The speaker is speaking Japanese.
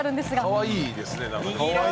かわいいですね。